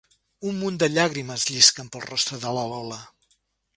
Un munt de llàgrimes llisquen pel rostre de la Lola.